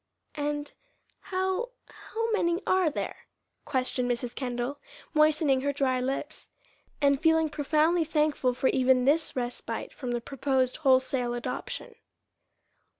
"And how how many are there?" questioned Mrs. Kendall, moistening her dry lips, and feeling profoundly thankful for even this respite from the proposed wholesale adoption.